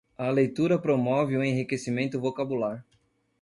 A leitura promove o enriquecimento vocabular